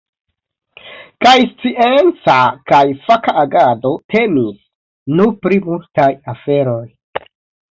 Kaj scienca kaj faka agado temis, nu pri multaj aferoj.